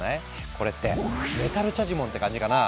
これってメタルチャジモンって感じかな。